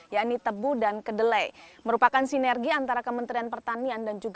ya ini tebu dan kedelai ini adalah salah satu inovasi dari tanaman tumpang sari yang disebut dengan bule